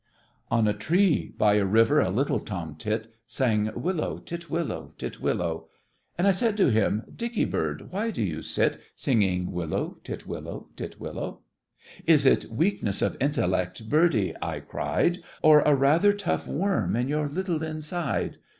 On a tree by a river a little tom tit Sang "Willow, titwillow, titwillow!" And I said to him, "Dicky bird, why do you sit Singing Willow, titwillow, titwillow'?" "Is it weakness of intellect, birdie?" I cried, "Or a rather tough worm in your little inside?"